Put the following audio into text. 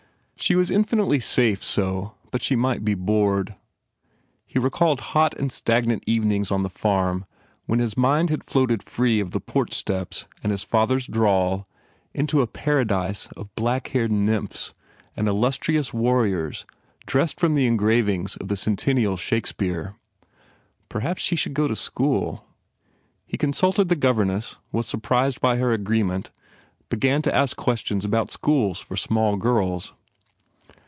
She was infinitely safe, so, but she might be bored; he recalled hot and stagnant evenings on the farm when his mind had floated free of the porch steps and his father s drawl into a paradise of black haired nymphs and illustrious warriors dressed from the engravings of the Centennial Shakespeare. Perhaps she should go to school? He consulted the governess, was surprised by her agreement, began to ask questions about schools for small girls.